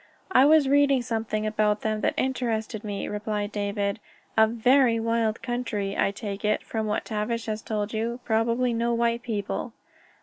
"I was reading something about them that interested me," replied David. "A very wild country, I take it, from what Tavish has told you. Probably no white people."